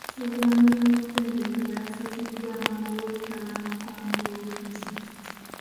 Pulogulamu y'okutendekebwa yasaziddwamu olw'obutabanguko mu byobufuzi.